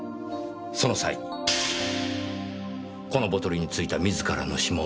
その際にこのボトルに付いた自らの指紋を拭き取り